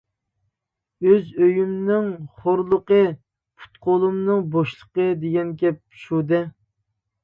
«ئۆز ئۆيۈمنىڭ خورلۇقى، پۇت-قولۇمنىڭ بوشلۇقى» دېگەن گەپ شۇ دە!